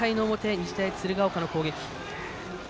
日大鶴ヶ丘の攻撃。